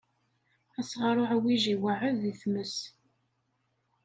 Asɣaṛ uɛwij iweɛɛed i tmes.